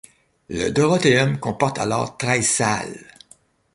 Le Dorotheum comporte alors treize salles.